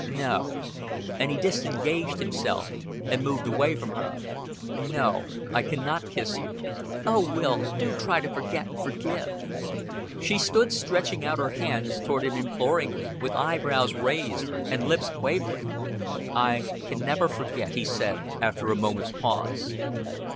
"No." And he disengaged himself and moved away from her. "No, I can not kiss you." "Oh, Will. Do try to forget and forgive." She stood stretching out her hands toward him imploringly, with eyebrows raised, and lips quavering. "I can never forget," he said, after a moment's pause.